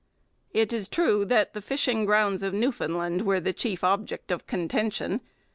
It is true that the fishing grounds of Newfoundland were the chief object of contention.